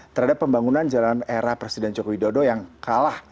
terhadap pembangunan jalan era presiden joko widodo yang kalah